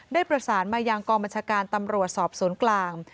ได้ประสานมายังกองบัญชาการตำรวจสอบสวนกลาง